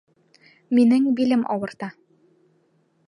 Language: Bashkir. Минең билем ауырта